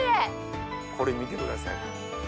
これ見てください。